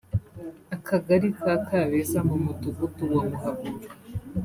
akagali ka Kabeza mu mudugudu wa Muhabura